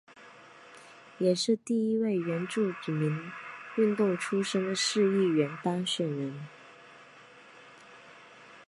也是第一位原住民运动出身的市议员当选人。